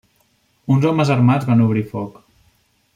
Uns homes armats van obrir foc.